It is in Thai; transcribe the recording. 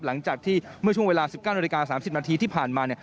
หลังจากที่เมื่อช่วงเวลา๑๙นาฬิกา๓๐นาทีที่ผ่านมา